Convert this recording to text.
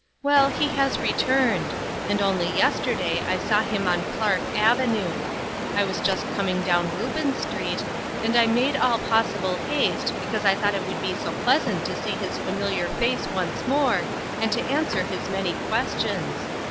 Well, he has returned ; and only yesterday I saw him on Clark Avenue. I was just coming down Reubens street, and I made all possible haste, because I thought it would be so pleasant to see his familiar face once more, and to answer his many questions.